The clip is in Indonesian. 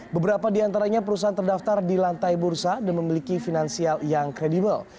beberapa di antaranya perusahaan terdaftar di lantai bursa dan memiliki finansial yang kredibel